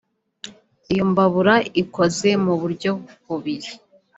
Iyo mbabura ikoze mu buryo bubiri